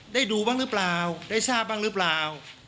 ดูบ้างหรือเปล่าได้ทราบบ้างหรือเปล่า